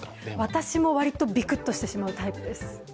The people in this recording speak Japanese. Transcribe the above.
私もわりとびくっとしてしまうタイプです。